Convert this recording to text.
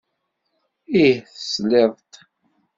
Ih tesliḍ-d!